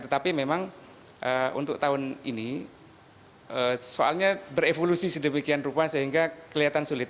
tetapi memang untuk tahun ini soalnya berevolusi sedemikian rupa sehingga kelihatan sulit